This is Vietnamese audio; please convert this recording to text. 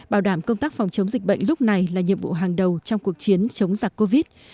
bảo đảm công tác phòng chống dịch bệnh lúc này là nhiệm vụ hàng đầu trong cuộc chiến chống giặc covid